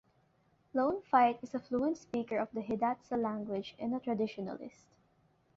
Lone Fight is a fluent speaker of the Hidatsa language and a traditionalist.